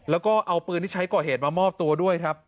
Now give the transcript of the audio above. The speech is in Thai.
แล้วก็เอาปืนที่ใช้ก่อเหตุมามอบตัวด้วยครับ